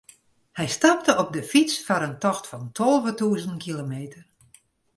Hy stapte op de fyts foar in tocht fan tolve tûzen kilometer.